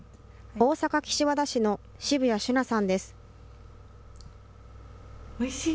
大阪・岸和田市の澁谷珠名さんです。